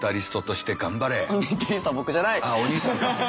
あっお兄さんか。